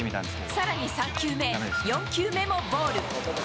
さらに３球目、４球目もボール。